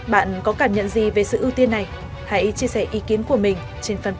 bạn có cảm nhận gì về sự ưu tiên này hãy chia sẻ ý kiến của mình trên fanpage truyền hình công an nhân dân